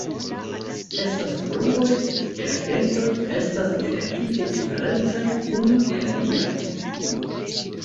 Estas pruvoj, ke la gentoj estas genetike diferencaj unu de alia.